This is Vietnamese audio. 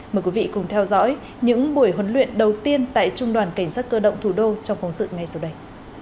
mời quý vị cùng theo dõi những buổi huấn luyện đầu tiên tại trung đoàn cảnh sát cơ động thủ đô trong phóng sự ngay sau đây